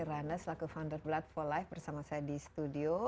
ada palen semikeran selaku founder blood for life bersama saya di studio